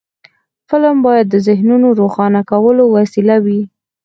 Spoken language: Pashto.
فلم باید د ذهنونو روښانه کولو وسیله وي